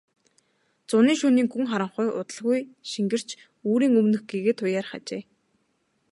Зуны шөнийн гүн харанхуй удалгүй шингэрч үүрийн өмнөх гэгээ туяарах ажээ.